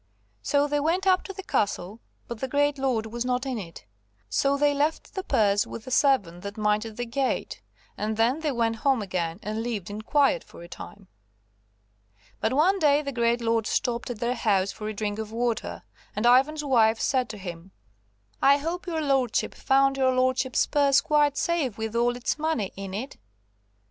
So they went up to the castle, but the great lord was not in it, so they left the purse with the servant that minded the gate, and then they went home again and lived in quiet for a time. But one day the great lord stopped at their house for a drink of water, and Ivan's wife said to him: "I hope your lordship found your lordship's purse quite safe with all its money in it."